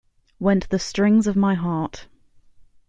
Went the Strings of My Heart.